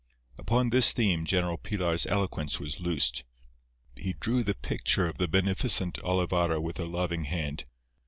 Upon this theme General Pilar's eloquence was loosed. He drew the picture of the beneficent Olivarra with a loving hand.